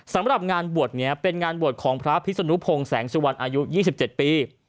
สำหรับงานบวชเนี้ยเป็นงานบวชของพระพิษณุพงศ์แสงสุวรรณอายุยี่สิบเจ็ดปี